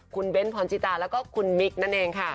คุณเบ้นพรชิตาแล้วก็คุณมิกนั่นเองค่ะ